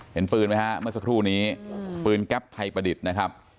เห็นปืนไหมฮะเมื่อสักครู่นี้ปืนแก๊ปไทยประดิษฐ์นะครับ